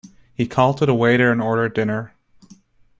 He called to the waiter and ordered dinner.